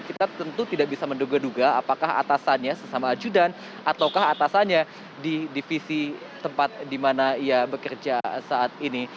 kita tentu tidak bisa menduga duga apakah atasannya sesama ajudan ataukah atasannya di divisi tempat di mana ia bekerja saat ini